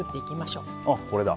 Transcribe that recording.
あこれだ。